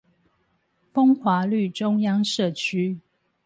風華綠中央社區